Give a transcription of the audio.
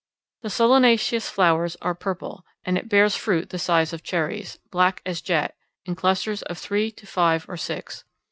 The solanaceous flowers are purple, and it bears fruit the size of cherries, black as jet, in clusters of three to five or six.